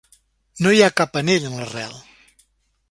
No hi ha cap anell en l'arrel.